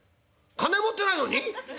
「金持ってないのに？